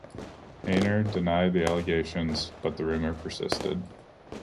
Hayner denied the allegations, but the rumor persisted.